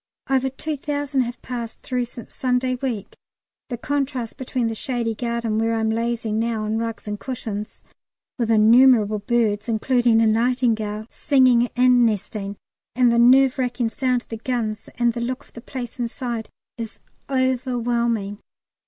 Over two thousand have passed through since Sunday week. The contrast between the shady garden where I'm lazing now on rugs and cushions, with innumerable birds, including a nightingale, singing and nesting, and the nerve racking sound of the guns and the look of the place inside, is overwhelming.